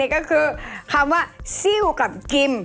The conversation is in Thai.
ก็คือคำว่าสิ้วกกกิ้ม